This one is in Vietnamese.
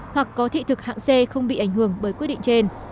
hoặc có thị thực hạng c không bị ảnh hưởng bởi quyết định trên